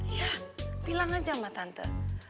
ya bilang aja sama tante